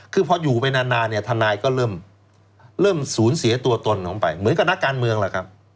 คือพออยู่ไปนานเนี่ยทนายก็เริ่มสูญเสียตัวตนของไปเหมือนกับนักการเมืองล่ะครับ